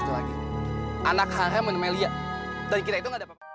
terima kasih ibu